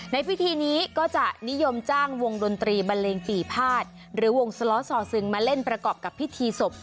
ในพิธีนี้ก็จะนิยมจ้างวงดนตรีบันเลงปีภาษหรือวงสล้อซอซึงมาเล่นประกอบกับพิธีศพ